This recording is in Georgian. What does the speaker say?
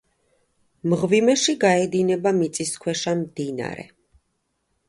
მღვიმეში გაედინება მიწისქვეშა მდინარე.